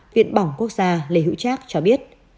viện bỏng quốc gia lê hữu trác cho biết